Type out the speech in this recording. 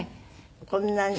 こんなに。